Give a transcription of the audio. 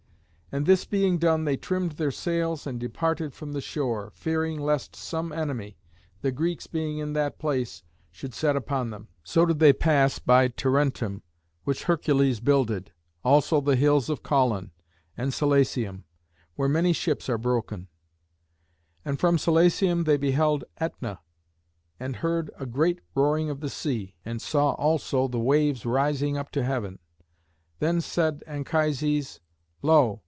And this being done they trimmed their sails and departed from the shore, fearing lest some enemy, the Greeks being in that place, should set upon them. So did they pass by Tarentum, which Hercules builded, also the hills of Caulon, and Scylacium, where many ships are broken. And from Scylacium they beheld Ætna, and heard a great roaring of the sea, and saw also the waves rising up to heaven. Then said Anchises, "Lo!